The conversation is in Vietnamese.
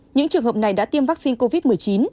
những trường hợp này đã tiêm vaccine covid một mươi chín